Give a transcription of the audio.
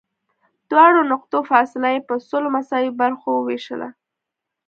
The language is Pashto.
دواړو نقطو فاصله یې په سلو مساوي برخو ووېشله.